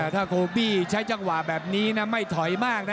ถ้าโคบี้ใช้จังหวะแบบนี้นะไม่ถอยมากนะ